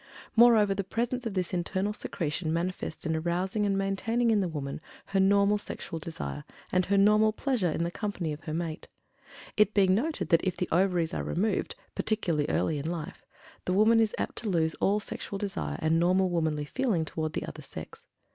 Moreover, the presence of this internal secretion manifests in arousing and maintaining in the woman her normal sexual desire, and her normal pleasure in the company of her mate; it being noted that if the ovaries are removed, particularly in early life, the woman is apt to lose all sexual desire and normal womanly feeling toward the other sex.